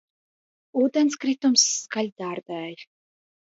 Ūdenskritums skaļi dārdēja